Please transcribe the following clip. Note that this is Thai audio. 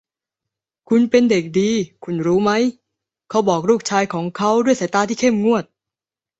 คุณเป็นเด็กดีคุณรู้ไหม เขาบอกลูกชายของเขาด้วยสายตาที่เข้มงวด